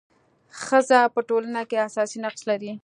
ښځه په ټولنه کي اساسي نقش لري.